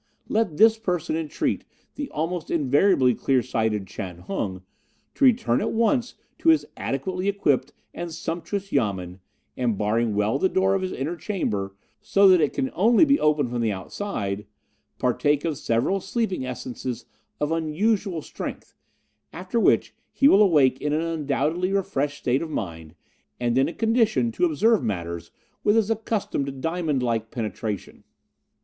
Let this person entreat the almost invariably clear sighted Chan Hung to return at once to his adequately equipped and sumptuous Yamen, and barring well the door of his inner chamber, so that it can only be opened from the outside, partake of several sleeping essences of unusual strength, after which he will awake in an undoubtedly refreshed state of mind, and in a condition to observe matters with his accustomed diamond like penetration.